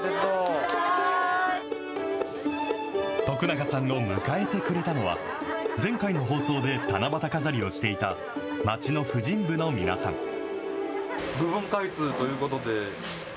徳永さんを迎えてくれたのは、前回の放送で七夕飾りをしていた、町の婦人部の皆さん。